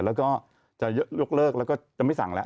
แล้วก็จะยกเลิกแล้วก็จะไม่สั่งแล้ว